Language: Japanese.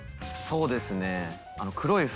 そうですね。